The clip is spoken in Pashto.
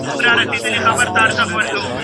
بادنجان د کرنې یو ښه محصول دی.